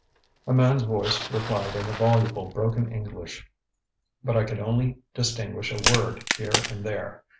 ŌĆØ A man's voice replied in voluble broken English, but I could only distinguish a word here and there.